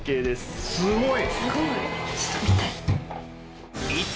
すごい！